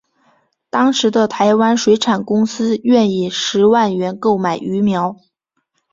当时的台湾水产公司愿以十万元购买鱼苗。